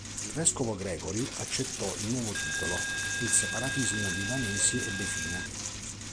Il vescovo Gregory accettò il nuovo titolo e il separatismo dei Danesi ebbe fine.